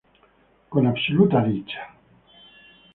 Con absoluta dicha.